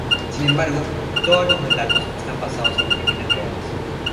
Sin embargo, todos los relatos están basados en crímenes reales.